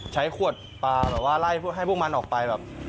ใช้ขวดปลาอะไรว่าให้พวกมันออกไป